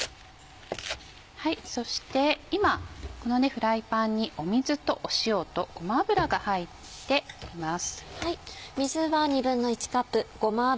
そして今このフライパンに水と塩とごま油が入っています。